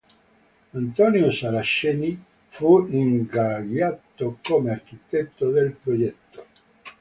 Antonio Saraceni fu ingaggiato come architetto del progetto.